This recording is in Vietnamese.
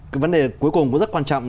cái vấn đề cuối cùng cũng rất quan trọng